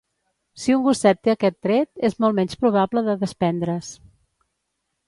Si un gosset té aquest tret, és molt menys probable de desprendre's.